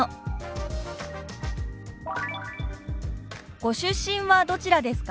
「ご出身はどちらですか？」。